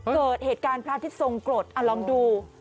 เกิดเหตุการณ์พระอาทิตย์ทรงกรดลองดู